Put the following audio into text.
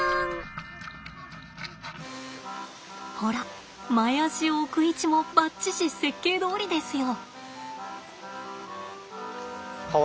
ほら前足を置く位置もバッチシ設計どおりですよ。